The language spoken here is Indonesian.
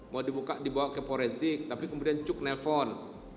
mau dibuka dibawa ke forensik tapi kemudian cuk nelfon